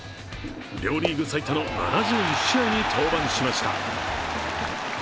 両リーグ最多の７１試合に登板しました。